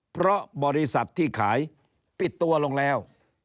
เพราะบริษัทที่ขายปิดตัวลงแล้ว